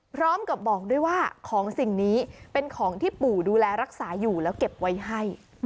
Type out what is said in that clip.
พร้อมกับบอกด้วยว่าของสิ่งนี้เป็นของที่ปู่ดูแลรักษาอยู่แล้วเก็บไว้ให้